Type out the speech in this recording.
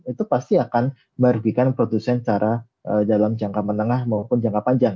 itu pasti akan merugikan produsen secara dalam jangka menengah maupun jangka panjang